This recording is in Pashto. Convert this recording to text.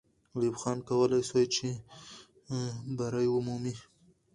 ایوب خان کولای سوای چې بری ومومي.